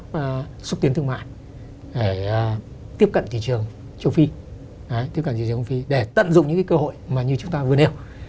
và xúc tiến thương mại để tiếp cận thị trường châu phi tiếp cận thị trường phi để tận dụng những cái cơ hội mà như chúng ta vừa nêu